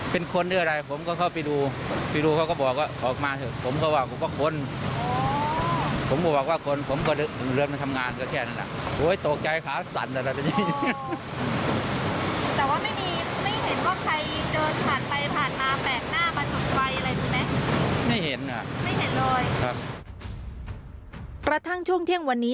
ประทั่งช่วงเที่ยงวันนี้